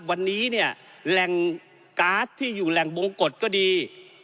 วันนี้เนี่ยแหล่งก๊าซที่อยู่แหล่งบงกฎก็ดี